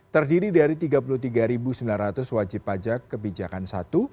terdiri dari tiga puluh tiga sembilan ratus wajib pajak kebijakan satu